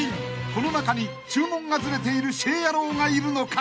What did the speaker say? ［この中に注文がずれているシェー野郎がいるのか？］